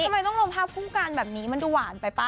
ทำไมต้องลงภาพคู่กันแบบนี้มันดูหวานไปป่ะ